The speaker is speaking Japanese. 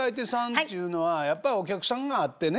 っちゅうのはやっぱお客さんがあってね